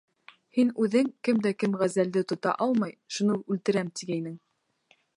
Һин үҙең, кем дә кем ғәзәлде тота алмай, шуны үлтерәм, тигәйнең.